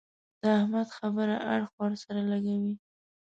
د احمد خبره اړخ ور سره لګوي.